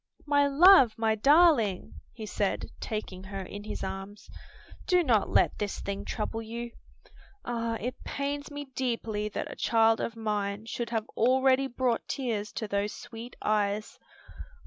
"My love, my darling!" he said, taking her in his arms, "do not let this thing trouble you. Ah, it pains me deeply that a child of mine should have already brought tears to those sweet eyes."